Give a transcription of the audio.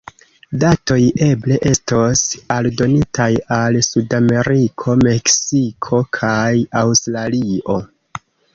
Datoj eble estos aldonitaj al Sudameriko, Meksiko kaj Aŭstralio.